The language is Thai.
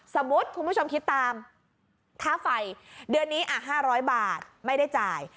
สมมุติคุณผู้ชมคิดตามค่าไฟเดือนนี้๕๐๐บาทไม่ได้จ่าย